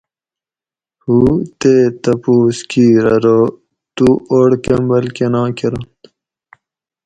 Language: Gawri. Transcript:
"ہُو تے تپوس کِیر ارو "" تُو اوڑ کمبل کنا کرنت؟"""